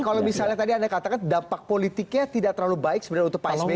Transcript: kalau misalnya tadi anda katakan dampak politiknya tidak terlalu baik sebenarnya untuk pak sby